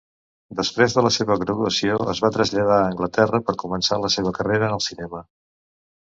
Després de la seva graduació, es va traslladar a Anglaterra per començar la seva carrera en el cinema.